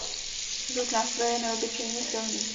Zvuk nástroje je neobyčejně silný.